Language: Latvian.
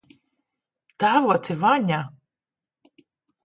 Tēvoci Vaņa!